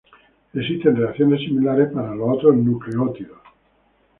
Existen reacciones similares para los otros nucleótidos.